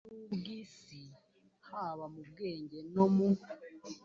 n ubw isi haba mu bwenge no mu